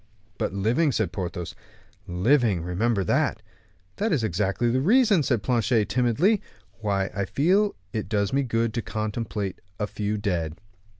"But living," said Porthos; "living, remember that." "That is exactly the reason," said Planchet, timidly, "why I feel it does me good to contemplate a few dead."